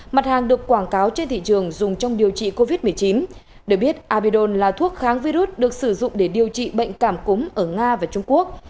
mặt hàng được quảng cáo trên thị trường dùng trong điều trị covid một mươi chín để biết abidon là thuốc kháng virus được sử dụng để điều trị bệnh cảm cúm ở nga và trung quốc